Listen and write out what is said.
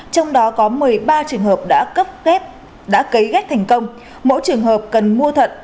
trong đó có một mươi ba trường hợp đã cấp ghép đã cấy ghép thành công mỗi trường hợp cần mua thận